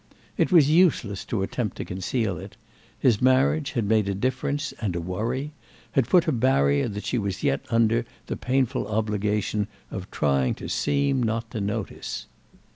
It was useless to attempt to conceal it: his marriage had made a difference and a worry, had put a barrier that she was yet under the painful obligation of trying to seem not to notice.